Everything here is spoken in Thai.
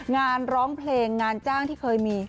งานร้องเพลงงานจ้างที่เคยมี